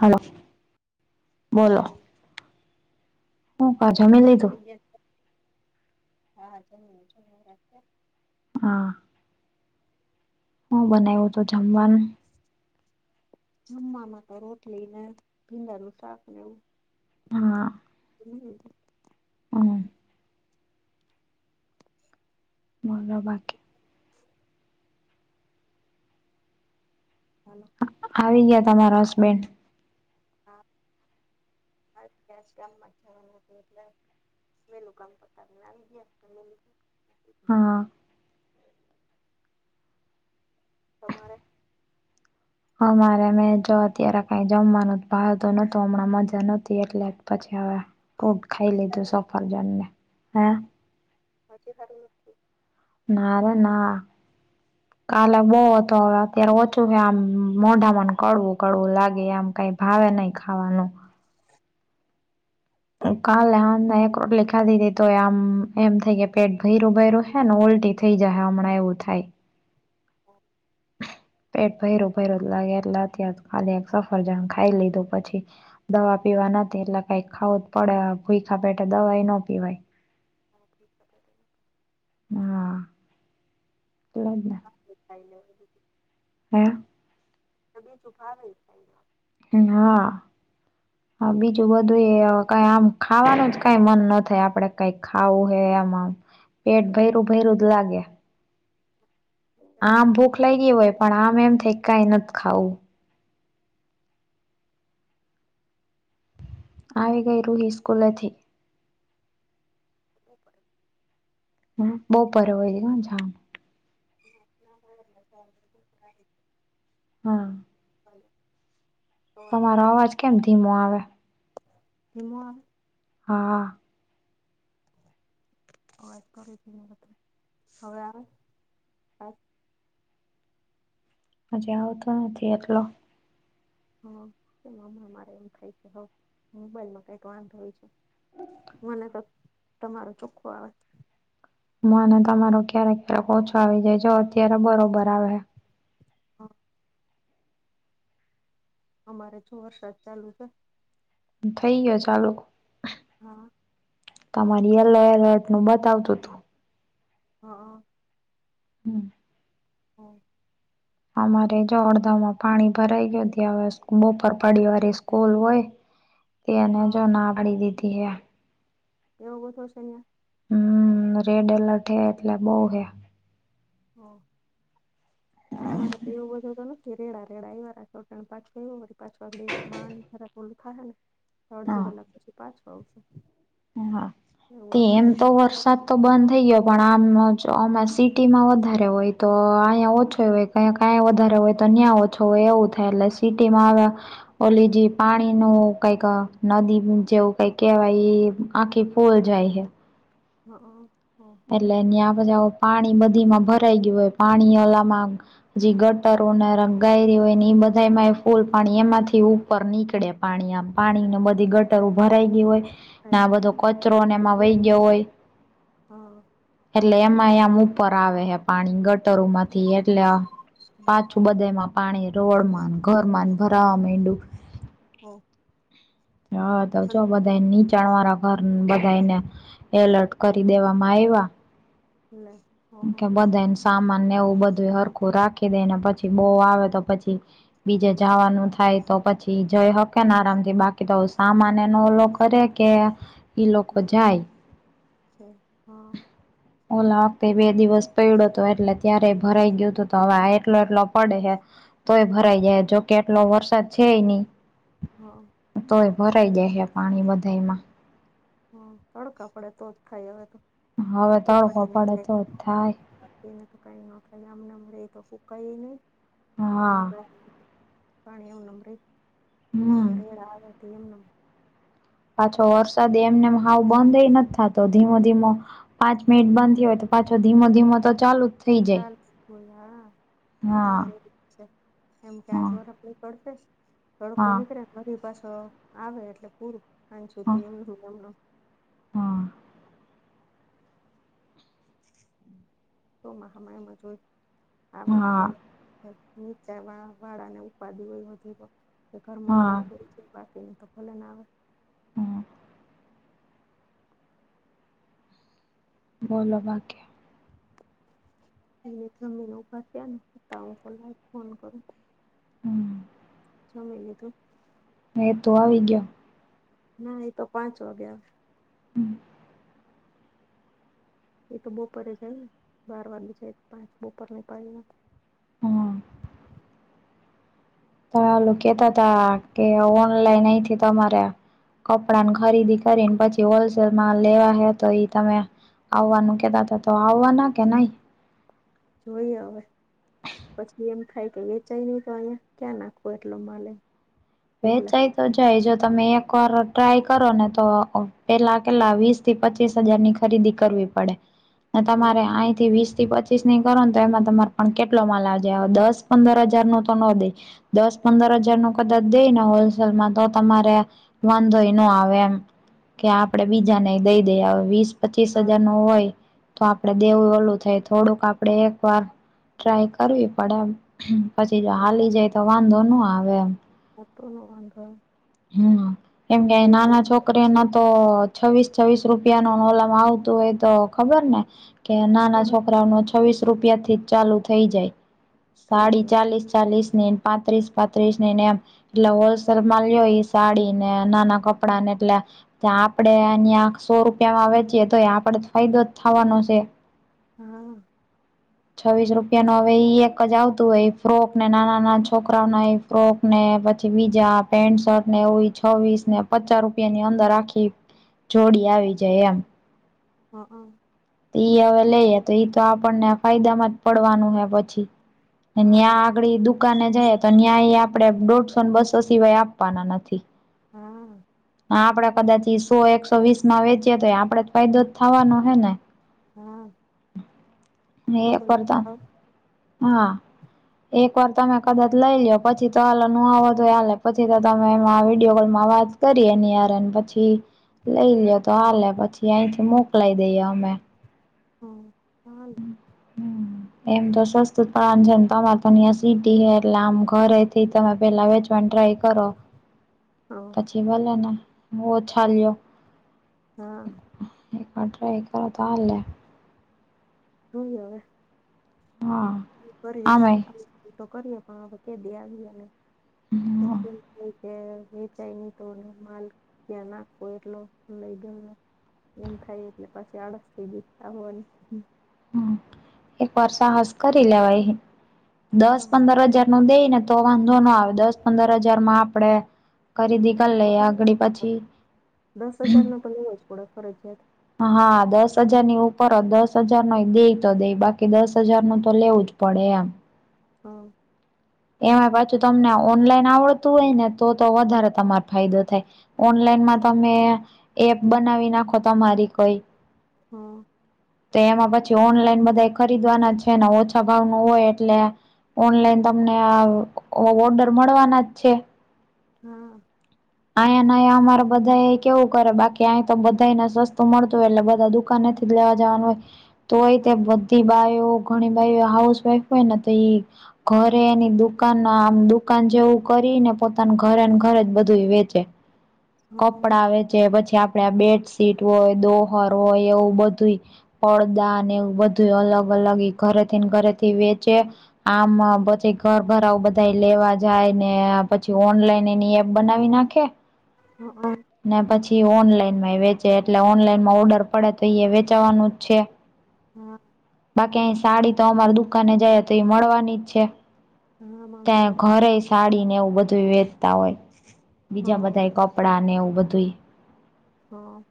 Hello હા બોલો બોલ, હું ક જમી હું લીધું કહીએ હા, જમી લીધું, જમવા વાર કે હા હું બનાવ્યુ તો જમવાનું? જમવામાં તો રોટલી ને ભીડા નું શાક ને એવું હા હમ હમ બોલો બાકી હલો આવી ગયા તમારા હસબેન્ડ. હા આવી ગયા કશે કામમાં ગ્યાં તા એટલે વેલુ કામ પતાવીને આવી ગયાં. જમી લીધું પછી હા તમારે? અમારે મે જો અત્યારે કઈ જમવાનું ભાવતું નતું હમણાં મજા નતી એટલે તો પછી હવે ફ્રૂટ ખાઈ હજી લીધું સારું નથી સફરજન ને. હે? હજી સારું નથ થયું? ના રે ના. કાલે બહુ હતો હવે અત્યારે ઓછું હે આમ મોઢામાં ને કડવું કડવું લાગે આમ કઈ ભાવે નહીં ખાવાનું. કાલે હાંજના એક રોટલી ખાધી તી તો આમ એમ થઈ કે પેટ ભયરું ભયર્યું હે ને ઉલટી થઈ જાહે હમણાં એવું થાય. હા પેટ ભૈરો ભ્યો જ લાગે. એટલે અત્યારે ખાલી એક સફરજણ ખાઈ લીધું પછી. દવા પીવાની હતી એટલે કઈક ખાવું જ પડે. ભૂખા પપેટે દવાએ ન પીવાય. હા [inaudible] હા એટલે જ ને. [unintelligible] હે? તો બીજું ભાવે કંઈ ના. હા. હા બીજું બધું એ કઈ આમ ખાવાનું જ કઈ મન ન થાય આપડે કઈ ખાવું હે એમ આમ. પેટ ભયરું ભૈરું જ લાગે. આમ ભૂખ લાગી હોય પણ આમ એમ થાય કે કાઈ નથી ખાવું. આવી ગઈ રૂહી સ્કૂલેથી? [inaudible] હમ બપોરે હોય કા [inaudible] [inaudible] [inaudible] હા. હલો તમારો અવાજ કેમ ધીમો આવે? ધીમો આવે? હા અવાજ કરું જ નહીં હવે તો. હવે આવે? હા હજી આવતો નથી એટલો. હા કેમ હમણાં મારે એમ થાય કે હ મોબાઈલમાં કઈક વાંધો હોય છે. મને તો તમારો ચોખ્ખું આવે. મને તમારો ક્યારેક ક્યારેક ઓછો આવી જાય. જો અત્યારે બરોબર આવે હે. હા. અમારે તો વરસાદ ચાલુ છે. થઇ ગયો ચાલુ. હા. તમારી યેલો એલર્ટ નું બતાવતું તું. હા. હમ્મ. હા. અમારે જો અડધામાં માં પાણી ભરાઈ ગયા. હવે બપર પડી વાળી સ્કૂલ હોય. તે એને હા જો ના પાડી દીધી એ. એવો હોતો છે યે હમ્મ રેડ એલર્ટ હે એટલે બઉ હોયા. હ અમારે તો એવું બધા હતો ન કે રેડા રેડા એવા રાખો કારણ પાછવારી પાછવાડી મારા ઓલું થા ને અડધી હા કલાક પછી પાછો આવશે. હા, એવું તે આખો એમ તો દી વરસાદ તો બંધ થઈ ગયો. પણ આમ આ સિટી માં વધારે હોય તો અહીંયા ઓછો હોય. ક્યા કંઈ વધારે હોય તો ન્યાં ઓછો હોય એવું થાય એટલે સિટી માં આવ્યા ઓલીજી પાણી નું કઈક અહ નદી જેવું કઈક કેહેવાય ઈ આંખે પોલ જાય હૈ. હ અહ હ. એટલે એયા પછી પાણી બધી માં ભરાઈ ગયું હોય. પાણી ઓલામાં જી ગટરો ને રંગાયરી હોય ને એ બધા એમાં ફૂલ પાણી એમાંથી હું ઉપર નીકળે પાણી આમ પાણીની બધી ગટર ભરાઈ ગઈ હોય. થઈ ના આ બધો કચરો અને એમાં ગયું વહી ગયો હોય હા. એટલે એમાં એ આમ ઉપર આવે હે પાણી ગટરોમાંથી એટલે આ પાછું બધામાં પાણી રોડમાંન ઘર માં ભરાવા મૈંડુ હો. હા, તો છો બધાએ નીચ ચણવારા ઘર બધા એને એલર્ટ કરી દેવામાં આવ્યા ના. કે બધાને સામાનને એવું બધું હરખું રાખી દેને પછી બહું આવે તો પછી બીજે જવાનું થાય તો પછી ઈ જઈ હકે હા ને આરામ થી બાકી તો સામાન એનો ઓલો કરે કે ઈ લોકો જાય છે હા ઓલા તે બે દિવસ પૈડ્યો હતો, એટલે ત્યારે ભરાઈ ગયું હતું હવે આ એટલો એટલો પડે હે તોય હા ભરાઈ જાય જો એટલો વરસાદ છે, નહી. હા. તોય ભરાઈ દે હે, પાણી બધામાં હમ્મ, તડકા પડે તો જ ખાય હવે તો હવે તડકો પડે તો જ થાય [unintelligible] ને તો કઈ નો થાય નાખે અમને અરે એ તો ફૂકાય નહી. હા [inaudible] પણ એમ નેમ રે નુક હમ કા રેડા આવે તો એમ નેમ પાછો વરસાદ એમનેમ હાઓ બંધએ નથ થાત. તો ધીમો-ધીમો પાંચ મિનિટ બંધ થીયો તો પાછો ધીમો-ધીમો તો ચાલુ જ થઈ જાય [unintelligible] હું હા આવેલી જ છે કેમકે હા આજે વરા પ નીકળશે. તડકો હા નીકળેને વળી પાછો. આવે એટલે પૂરું સાંજ સુધી એમને મેં એમને મ. હ. ચોમાસામાં [unintelligible] આવે ને હા જાય... નીચા વાળાને ઉપાદી હોય બધી તો. ઘરમાં હા પાણી ભરાઈ જાય.. બાકીને તો ભલે ના આવે. હ. બોલો બાકી? એને જમીને ઉભા થાને સુતા હો ને લાવ ફોન કરું. હમ્મ. જમી લીધું જમી લીધું? એ તો આવી ગયો. ના એ તો પાંચ વાગ્યા આવે... હમ્મ. એ તો બપોરે જાય ને બાર વાગે જાયને પાંચ બોપર ની પાળીમાં હ. હા ઓલુ કેતા તા કે ઓનલાઈન અહીંથી તમારે... કપડાને ખરીદી કરીને પછી હોલસેલમાં લેવા હે તો ઈ તમે... આવવાનું કેતા તા તો આવવાનું કે નઈ. જોઈએ હવે. પછી એમ થાય કે વેચાઈ નહિ તો અહીંયા તો ક્યાં નાખવો એટલો માલે... એટલે વેચાય તો જાય જો તમે એક વાર ટ્રાય કરો ને તો પેલા કેટલા વીસ... થી પચીસ હજારની ખરીદી કરવી પડે. ને હા તમારે. [unintelligible] થી વીસ થી પચીસની કરો ને તો એમાં તમારે પણ કેટલો માલ આવી જાય હવે દસ પંદર હજાર નો તો નો દે. દસ પંદર હજાર નો કદાચ દઈ હોલસેલમાં તો તમારે વાંધો ય ન આવે એમ કે આપડે બીજાને દઈ દઈએ હવે વીસ પચીસ હા હજાર નું હોય તો આપડે દેવું ઓલું થાય તો થોડુંક આપડે એક વાર ટ્રાય કરવી પડે પછી જો હા હાલી જાય તો વાંધો ન આવે એમ. - [unintelligible] હમ્મ કેમ કે નાના નહિ તો છોકરી ન પછી તો છવીસ છવીસ રૂપિયા નો [unintelligible] આવતું હોય તો ખબર ને કે નાના છોકરા નો છવ્વીસ રૂપિયા થી જ ચાલુ થઈ જાય થઈ સાડી જાય ચાલીસ ચાલીસ ની પાંત્રીસ પાંત્રીસ ની એમ એટલે હોલસેલ માર્કે લો ઈ સાડી ને નાના કપડા ને એટલે ત્યાં આપણે સો રૂપિયામાં વેચીએ તો આપણને ફાયદો થવાનો છે. હા. છવ્વીસ રૂપિયાનો હવે ઈ એક જ આવતું હોય ફ્રોક ને નાના નાના છોકરાઓ ના ફ્રોક ને પછી બીજા પેન્ટ શર્ટ ને એ છવીસ ને પચાસ રૂપિયા ની અંદર આખી જોડી આવી જાય એમ. હ હ તો ઈ હવે લઈએ તો ઈ તો આપણને ફાયદા માં જ પડવાનું છે પછી ને હા ઇયા [unintelligible] દુકાને જઈ તો અહીંયા આપડે દોઢસો ને બસો સિવાય આપવાના નથી. હા. હા આપડે કદાચી સો એકસો વીસ માં વેચીએે તોએ આપડે ફાયદો જ થવાનો હે ને હા. એ ડબલ પરદા હા હા એક વાર તમે કદાચ લઈ લ્યો પછી તો હાલ નું આવ તો હલે પછી તો તમે એમાં વિડીયો કોલમાં વાત કરીએ નિયારને પછી લઈ લ્યો તો હાલે પછી અહીંથી મોકલાય દઈએ અમે. હમ્મ [unintelligible] હમ્મ એમ તો સસ્તું પડવાનું છે તમારે તો ન્યાં સીટી હે એટલે આમ ઘરે થી તમે પેલા વેચો પણ ટ્રાય કરો. હલો. પછી ભલે ને મોછા લ્યો. હા. પણ ટ્રાય કરો તો હાલે. [unintelligible] હા. કરીએશ આમેય [unintelligible] કરીએ તો કરીએ પણ હવે કે દે આવીએને. હમ [unintelligible] એ વેચાય ન તો માલ ત્યાં નાખવો એટલો લઈ ગયોને. એમ થાય એટલે પછી આળસ થઈ જાય [unintelligible] હમ એક વાર સાહસ કરી લેવાય દસ પંદર હજાર મન દઈ ને તો વાંધો ન આવે દસ પંદર હજાર માં આપડે ખરીદી કરી લઈએ આગળી [unintelligible] પછી દસ હજારનો તો લેવો પડે ફરજિયાત. હા દસ હજાર ની ઉપર દસ હજાર નો દે તો દે બાકી દસ હજાર નું તો લેવું જ પડે એમ. હા. એમાં પાછું તમને ઓનલાઈન આવડતું હોય ને તો તો વધારે તમારે ફાયદો થાય. ઓનલાઈનમાં તમે એપ બનાવી નાખો તમારી કોઈ હા. તો એમાં પછી ઓનલાઈન બધા ખરીદવાના છે ને ઓછા ભાવ નું હોય એટલે ઓનલાઈન તમને આ ઓ ઓર્ડર મળવાના જ છે. હા. અહીંયા નાયા અમારે બધા કેવું કરે બાકી અહીં તો બધાયન સસ તુ મળતુ હોય એટલે બધા દુકાને થી જ લેવા જવાનું હોય. તોય તે હા બધી બાયો ઘણી બયો હાઉસ વાઈફ હોય ને તોઈ ઘરે એની દુકાનના આમ દુકાન જેવું કરીને પોતાન ઘરે ન ઘરે બધું વે ચે હા કપડા વેચે પછી આ પણે બેડશીટ હોય દોહર હોય એવું બધુંય પડદા ને એવું બધું અલગ અલગ ઈ ઘરે થીને ઘરેથી વેચે આમ આમ પછે ઘર ઘરાઉ બધા લેવા જાય ને પછી ઓનલાઈન એની એપ બનાવી નાખે. હંક. ને પછી ઓનલાઈન માંય વેચે એટલે ઓનલાઈનમાં ઓર્ડર પડે તો ઈએ વેચાવાનું જ છે. હા. બાકી અહી સાડી તો અમાર દુકાને જાય તો એ મળવાની જ છે. હા ત્યાં મળવાની ઘરે સાડીને એવું બધું વેચતા હોય બીજા હા બધાય કપ પડાંને એવું બધુંય હા.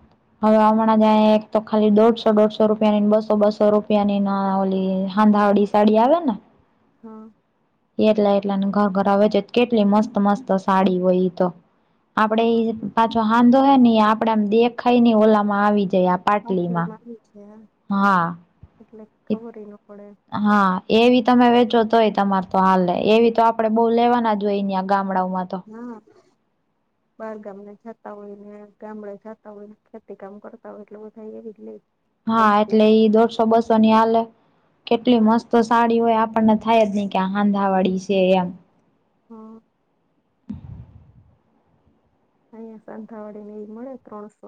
[inaudible] હવે હમણાં જ એક તો ખાલી દોઢસો દોઢસો રૂપિયાની ને બસો બસો રૂપિયાની નાના ઓ લીએ, હાંધા અઢી સો સાડી આવે ને હા એટલા એટલાનુ ઘાઘરા આવે છે, કેટલી મસ્ત મસ્ત સાડી હોય ઇતો આપડે હા એ પાછો હાંધો હે ને આપડે આમ દેખાય નને ઓલામાં આવી જાય આમ. [unintelligible] હા. એટલે ખબર ન પડે હા એવી તમે વેચો તોય તમાર તો હાલે એવી તો આ આપડે બહુ લેવાના જોઈએયા ગામડાઓમાં તો. હમ્મ. બાર ગામને જતા હોય ને, ગામડે જતા હોય ને, ખેતી કામ કરતા હોય એટલે બધા એવી જ લે. હા સસ્તી એટલે ઈ દોઢસો બસો ની હાલે, કેટલી હા મસ્ત તો સાડી હોય આપણને થાય જ નહી કે આ હાંધાવાળી છે એમ. હમ્મ અહિયાં સાંધાવાળી ને એવી મળે ત્રણસો